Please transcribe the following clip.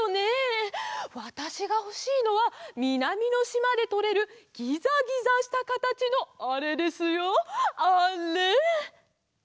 わたしがほしいのはみなみのしまでとれるギザギザしたかたちのあれですよあれ！